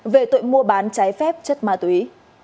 về tội mua bán trái phép chất ma túy